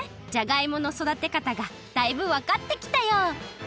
じゃがいものそだてかたがだいぶわかってきたよ。